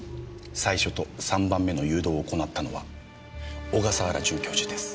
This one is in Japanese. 最初と３番目の誘導を行ったのは小笠原准教授です。